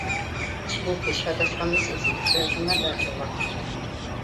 ჯგუფი სხვადასხვა მიზეზით ბევრმა დატოვა.